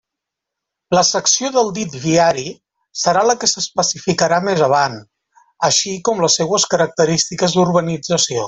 La secció del dit viari serà la que s'especificarà més avant, així com les seues característiques d'urbanització.